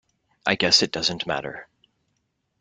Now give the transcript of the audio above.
I guess it doesn't matter.